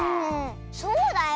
そうだよ。